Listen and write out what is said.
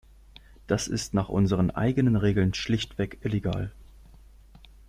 Das ist nach unseren eigenen Regeln schlichtweg illegal.